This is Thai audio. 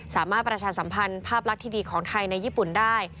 สามารถประชาสัมพันธ์ภาพลักษณ์ที่ดีของไทยในญี่ปุ่นได้